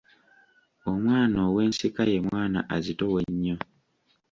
Omwana ow’ensika ye mwana azitowa ennyo.